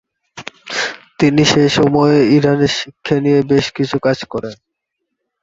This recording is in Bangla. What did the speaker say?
তিনি সে সময়ে ইরানের শিক্ষা নিয়ে বেশ কিছু কাজ করেন।